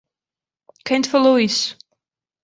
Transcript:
Quem te falou isso?